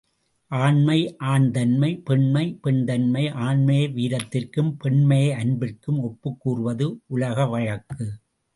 ஆண்மை, ஆண் தன்மை பெண்மை, பெண் தன்மை, ஆண்மையை வீரத்திற்கும், பெண்மையை அன்பிற்கும் ஒப்புக் கூறுவது உலக வழக்கு.